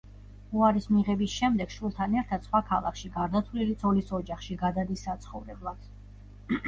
უარის მიღების შემდეგ, შვილთან ერთად სხვა ქალაქში, გარდაცვლილი ცოლის ოჯახში, გადადის საცხოვრებლად.